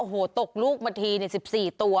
โอ้โหตกลูกมาทีเนี่ย๑๔ตัว